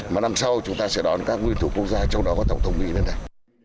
mà năm sau chúng ta sẽ đón các nguyên thủ quốc gia trong đó có tổng thống mỹ lên đây